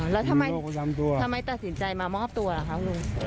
แล้วทำไมตัดสินใจมามอบตัวล่ะคะคุณลุง